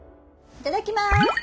いただきます。